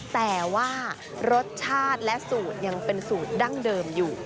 แต่ว่ารสชาติและสูตรยังเป็นสูตรดั้งเดิมอยู่